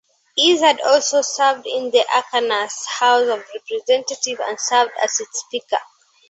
Izard also served in the Arkansas House of Representatives and served as its speaker.